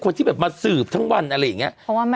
เป็นคนที่แบบมาสืบทั้งวันอะไรอย่างเงี้ย